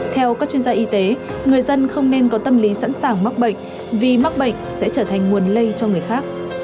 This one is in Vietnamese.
theo các chuyên gia y tế người dân không nên có tâm lý sẵn sàng mắc bệnh vì mắc bệnh sẽ trở thành nguồn lây cho người khác